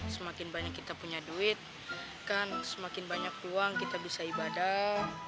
semakin banyak kita punya duit kan semakin banyak peluang kita bisa ibadah